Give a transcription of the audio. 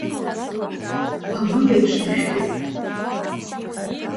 Агәил еиԥш дышәҭуеит.